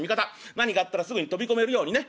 何かあったらすぐ飛び込めるようにね